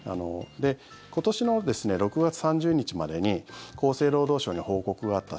今年の６月３０日までに厚生労働省に報告があった